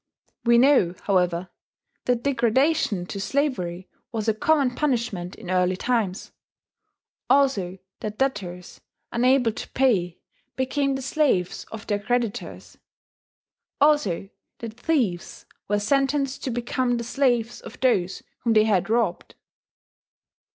We know, however, that degradation to slavery was a common punishment in early times; also, that debtors unable to pay became the slaves of their creditors; also, that thieves were sentenced to become the slaves of those whom they had robbed.